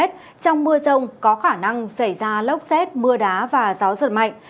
trong mưa rông có khả năng xảy ra lốc xét mưa đá và gió giật mạnh